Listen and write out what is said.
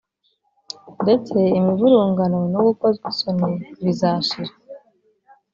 ndetse imivurungano no gukozwa isoni bizashira